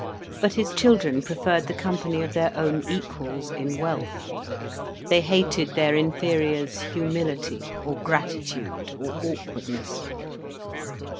But his children preferred the company of their own equals in wealth. They hated their inferiors' humility or gratitude or awkwardness.